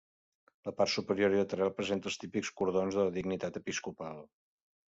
La part superior i lateral presenta els típics cordons de la dignitat episcopal.